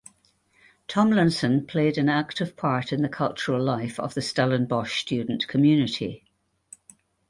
Tomlinson played an active part in the cultural life of the Stellenbosch student community.